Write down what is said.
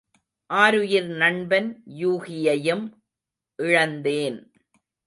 ஆருயிர் நண்பன் யூகியையும் இழந்தேன்!